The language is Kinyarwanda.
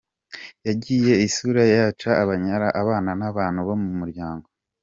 Yangije isura yacu abyarana abana n’abantu bo mu muryango .